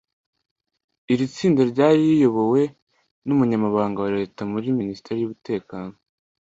Iri tsinda ryari riyobowe n’Umunyamabanga wa Leta muri Minisiteri y’Umutekano